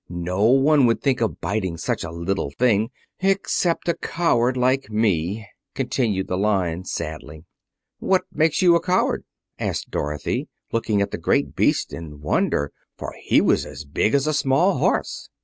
No one would think of biting such a little thing, except a coward like me," continued the Lion sadly. "What makes you a coward?" asked Dorothy, looking at the great beast in wonder, for he was as big as a small horse.